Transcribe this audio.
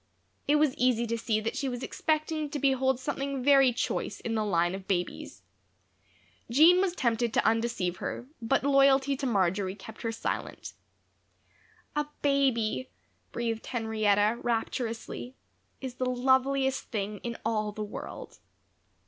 It was easy to see that she was expecting to behold something very choice in the line of babies. Jean was tempted to undeceive her, but loyalty to Marjory kept her silent. "A baby," breathed Henrietta, rapturously, "is the loveliest thing in all the world.